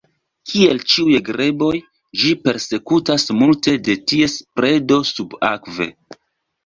Kiel ĉiuj greboj, ĝi persekutas multe de ties predo subakve.